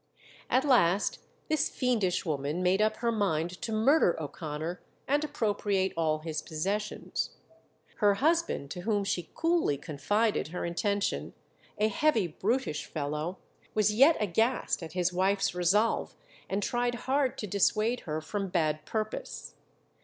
At last this fiendish woman made up her mind to murder O'Connor and appropriate all his possessions. Her husband, to whom she coolly confided her intention, a heavy brutish fellow, was yet aghast at his wife's resolve, and tried hard to dissuade her from her bad purpose.